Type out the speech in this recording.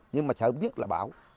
nhưng mà sợ biết là bão